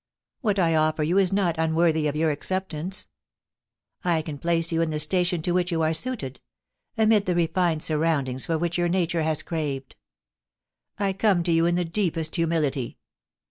What I offer you is not un worthy of your acceptance. I can place you in the station to which you are suited — amid the refined surroundings for which your nature has craved. ... I come to you in the deepest humility.